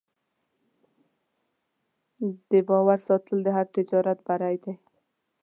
د باور ساتل د هر تجارت بری دی.